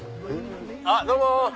あっどうも！